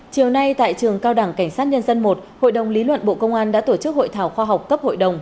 chiều nay tại trường cao đẳng cảnh sát nhân dân một hội đồng lý luận bộ công an đã tổ chức hội thảo khoa học cấp hội đồng